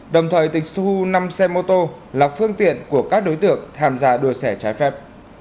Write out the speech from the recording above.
đồng thời tịch thu năm xe mô tô là phương tiện của các đối tượng tham gia đua xe trái phép